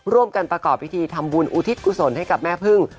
ประกอบพิธีทำบุญอุทิศกุศลให้กับแม่พึ่ง